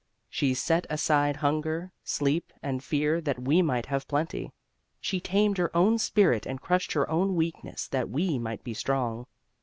She set aside hunger, sleep and fear that we might have plenty. She tamed her own spirit and crushed her own weakness that we might be strong.